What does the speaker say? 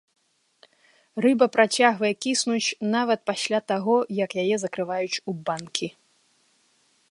Рыба працягвае кіснуць нават пасля таго, як яе закрываюць у банкі.